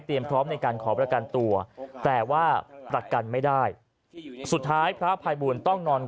พร้อมในการขอประกันตัวแต่ว่าประกันไม่ได้สุดท้ายพระภัยบูลต้องนอน